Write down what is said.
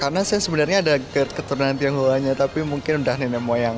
karena saya sebenarnya ada keturunan tionghoanya tapi mungkin udah nenek moyang